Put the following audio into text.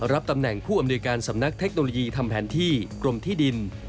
รับตำแหน่งผู้อำนวยการสำนักเทคโนโลยีทำแผนที่กรมที่ดิน